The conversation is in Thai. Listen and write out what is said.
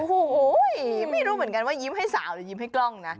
โอ้โหไม่รู้เหมือนกันว่ายิ้มให้สาวหรือยิ้มให้กล้องนะ